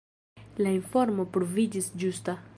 La informo pruviĝis ĝusta.